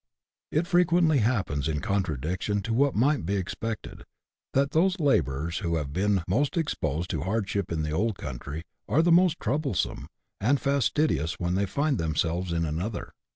It frequently happens, in contradiction to what might be ex pected, that those labourers who have been most exposed to hardship in the old country are the most troublesome and fas tidious when they find themselves in another.